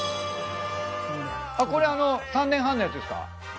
これあの３年半のやつですか？